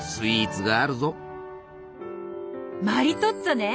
マリトッツォね！